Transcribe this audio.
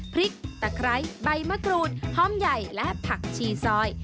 พริกตะไคร้ใบมะกรูดหอมใหญ่และผักชีซอย